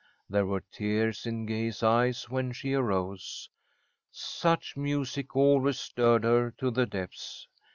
There were tears in Gay's eyes when she arose. Such music always stirred her to the depths.